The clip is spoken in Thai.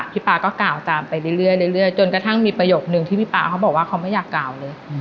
ป๊าก็กล่าวตามไปเรื่อยจนกระทั่งมีประโยคนึงที่พี่ป๊าเขาบอกว่าเขาไม่อยากกล่าวเลย